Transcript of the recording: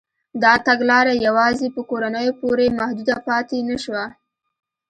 دا تګلاره یوازې په کورنیو پورې محدوده پاتې نه شوه.